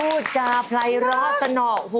พูดจาพลายร้อนเสนอหู